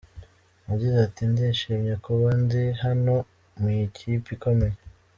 Yagize ati “Ndishimye kuba ndi hano mu iyi kipe ikomeye.